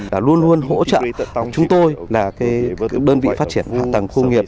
đã luôn luôn hỗ trợ chúng tôi là đơn vị phát triển hạ tầng công nghiệp